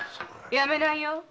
やめないよ！